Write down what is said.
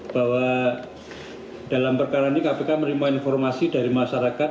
bahwa dalam perkara ini kpk menerima informasi dari masyarakat